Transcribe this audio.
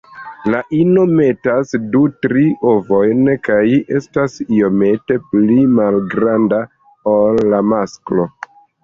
La ino metas du-tri ovojn kaj estas iomete pli malgranda ol la masklo.